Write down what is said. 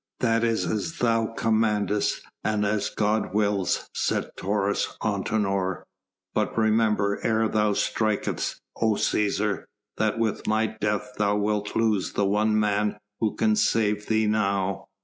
"That is as thou commandest and as God wills," said Taurus Antinor, "but remember ere thou strikest, O Cæsar, that with my death thou wilt lose the one man who can save thee now."